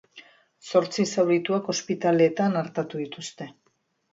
Zortzi zaurituak ospitaletan artatu dituzte.